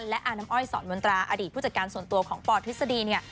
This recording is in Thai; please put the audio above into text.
และอาน้ำอ้อยสอนมนตราอดีตผู้จัดการส่วนตัวของปทฤษฎีเนี่ย